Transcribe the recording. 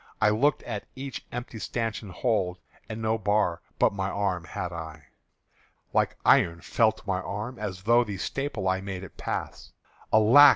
I looked at each empty stanchion hold, And no bar but my arm had I! Like iron felt my arm, as through The staple I made it pass: Alack!